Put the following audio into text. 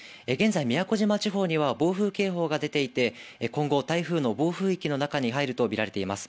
宮古島地方には暴風警報が出ていて、今後台風の暴風域の中に入るとみられています。